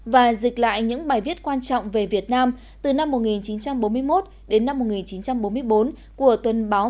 và dịch lại những bài viết quan trọng về việt nam từ năm một nghìn chín trăm bốn mươi một đến năm một nghìn chín trăm bốn mươi bốn của tuần báo